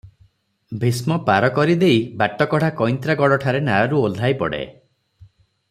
ଭୀଷ୍ମ ପାର କରି ଦେଇ ବାଟକଢ଼ା କଇଁତ୍ରାଗଡଠାରେ ନାଆରୁ ଓହ୍ଲାଇ ପଡ଼େ ।